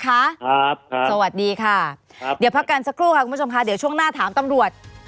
สวัสดีค่ะครับเดี๋ยวพักกันสักครู่ค่ะคุณผู้ชมค่ะเดี๋ยวช่วงหน้าถามตำรวจ